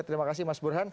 terima kasih mas burhan